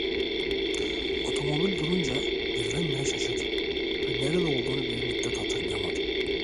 Otomobil durunca birdenbire şaşırdı ve nerede olduğunu bir müddet hatırlayamadı.